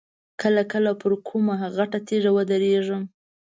کله کله پر کومه غټه تیږه ودرېږم.